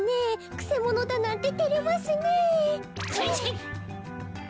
くせものだなんててれますねえ。